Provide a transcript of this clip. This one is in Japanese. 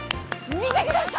見てください！